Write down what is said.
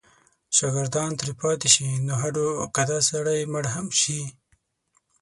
شاګردان ترې پاتې شي نو هډو که دا سړی مړ هم شي.